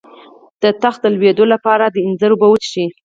د تخه د لوییدو لپاره د انځر اوبه وڅښئ